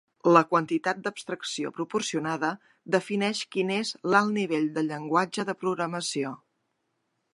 La quantitat d'abstracció proporcionada defineix quin és l'alt nivell del llenguatge de programació.